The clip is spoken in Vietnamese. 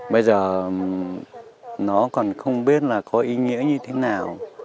bây giờ nó còn không biết là có ý nghĩa như thế nào